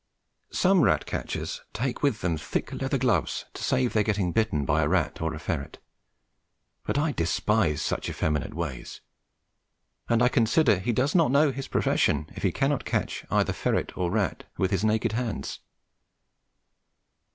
Some rat catchers take with them thick leather gloves to save their getting bitten by a rat or a ferret; but I despise such effeminate ways, and I consider he does not know his profession if he cannot catch either ferret or rat with his naked hands.